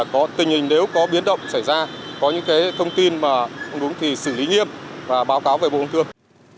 có tình hình nếu có biến động xảy ra có những thông tin mà không đúng thì xử lý nghiêm và báo cáo về bộ công thương